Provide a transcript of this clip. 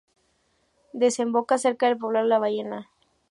Desemboca cerca del poblado La Ballena.